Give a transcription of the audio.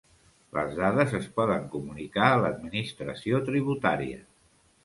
Les dades es poden comunicar a l'Administració Tributària.